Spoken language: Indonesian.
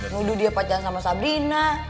nuduh dia pacan sama sabrina